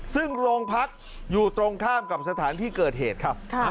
ซึ่งโรงพักอยู่ตรงข้ามกับสถานที่เกิดเหตุครับ